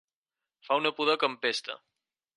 Fer una pudor que empesta.